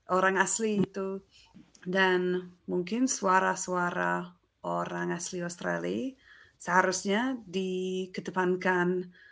orang asli itu dan mungkin suara suara orang asli australia seharusnya dikedepankan